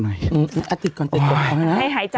ให้หายใจด้วยให้หายใจนิดนึง